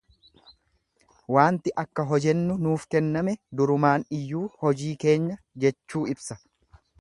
Waanti akka hojennu nuuf kenname durumaan iyyuu hojii keenya jechuu ibsa.